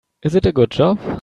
Is it a good job?